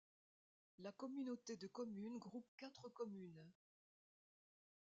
La communauté de communes, groupe quatre communes.